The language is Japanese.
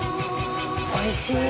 おいしい。